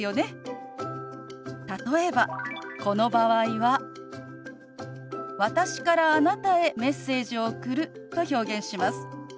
例えばこの場合は「私からあなたへメッセージを送る」と表現します。